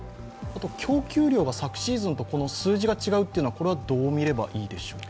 供給量が、昨シーズンとは数字が違うというのは、どう見ればいいでしょう？